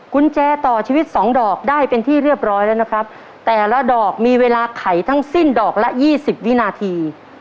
กุญแจต่อชีวิตสองดอกได้เป็นที่เรียบร้อยแล้วนะครับแต่ละดอกมีเวลาไขทั้งสิ้นดอกละยี่สิบวินาที